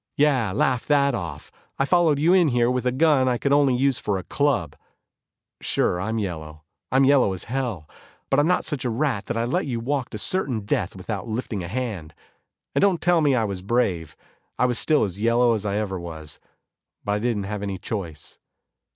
Yeah, laugh that off, I followed you in here with a gun I could use only for a club. Sure I'm yellow, I'm yellow as hell, but I'm not such a rat I'd let you walk to certain death without lifting a hand. And don't tell me I was brave; I was still as yellow as I ever was. But I didn't have any choice.